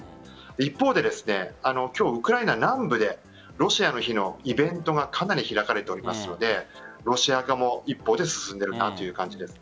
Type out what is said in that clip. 一方で今日、ウクライナ南部でロシアの日のイベントがかなり開かれておりますのでロシア化も一方で進んでいるなという感じです。